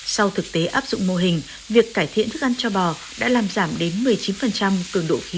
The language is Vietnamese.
sau thực tế áp dụng mô hình việc cải thiện thức ăn cho bò đã làm giảm đến một mươi chín cường độ khí